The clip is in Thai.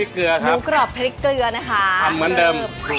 เสมอแล้วทำเหมือนเดิม